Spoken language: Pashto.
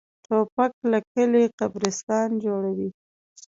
توپک له کلي قبرستان جوړوي.